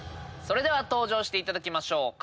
それでは登場していただきましょう。